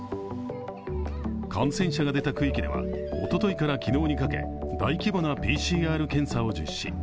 感染者が出た区域ではおとといから昨日にかけ大規模なＰＣＲ検査を実施。